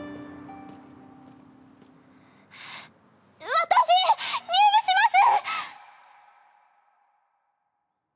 私入部します！